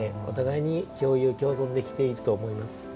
お互いに共有共存できていると思います。